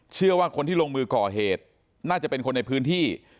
เชื่อว่าคนที่ลงมือก่อเหตุน่าจะเป็นคนในพื้นที่